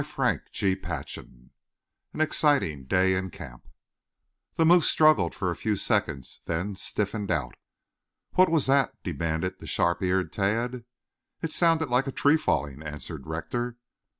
CHAPTER XIII AN EXCITING DAY IN CAMP The moose struggled for a few seconds, then stiffened out. "What was that?" demanded the sharp eared Tad. "It sounded like a tree falling," answered Rector.